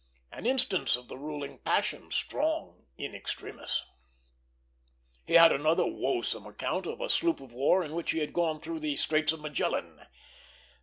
an instance of the ruling passion strong in extremis. He had another woesome account of a sloop of war in which he had gone through the Straits of Magellan.